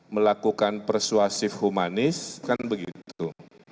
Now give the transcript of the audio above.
melakukan persuasif humanis kan begitu